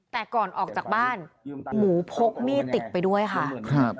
แต่ก่อนออกจากบ้านหมูพกมีดติดไปด้วยค่ะครับ